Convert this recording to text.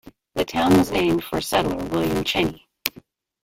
The town was named for settler William Cheney.